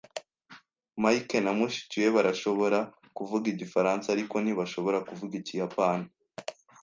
Mike na mushiki we barashobora kuvuga igifaransa, ariko ntibashobora kuvuga ikiyapani.